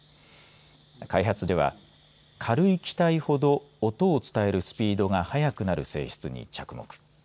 開発では軽い気体ほど音を伝えるスピードが速くなる性質に着目。